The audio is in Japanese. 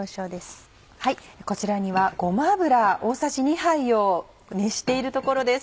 こちらにはごま油大さじ２杯を熱しているところです。